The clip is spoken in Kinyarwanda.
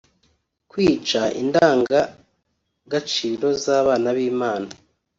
kwica indanga gaciro zábana b’Imana